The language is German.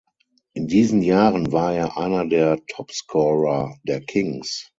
In diesen Jahren war er einer der Topscorer der Kings.